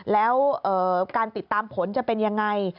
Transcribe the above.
แล้วการติดตามผลจะเป็นยังไง